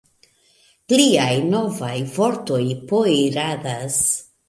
Pliaj novaj vortoj poiradas!